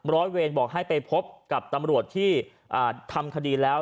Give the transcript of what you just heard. ร้อยเวรบอกให้ไปพบกับตำรวจที่ทำคดีแล้ว